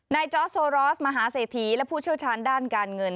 นายจอสโซรอสมหาเสถียร์และผู้เชี่ยวชาญด้านการเงิน